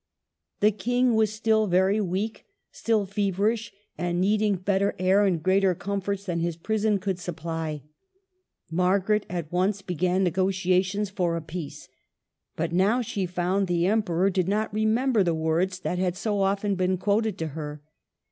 The King was still very weak, still feverish, and needing better air and greater comforts than his prison could supply. Margaret at once began negotiations for a peace. But now she found the Emperor did not remember the words that had so often been quoted to her.